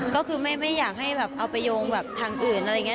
ก็คือไม่อยากให้แบบเอาไปโยงแบบทางอื่นอะไรอย่างนี้